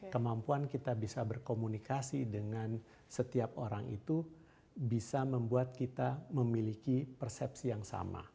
kemampuan kita bisa berkomunikasi dengan setiap orang itu bisa membuat kita memiliki persepsi yang sama